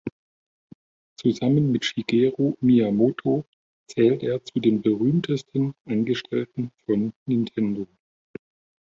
Zusammen mit Shigeru Miyamoto zählt er zu den berühmtesten Angestellten von Nintendo.